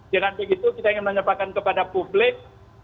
dengan begitu kita ingin menyampaikan kepada publik